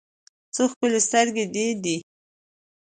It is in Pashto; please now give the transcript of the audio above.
څه ښکلي سترګې دې دي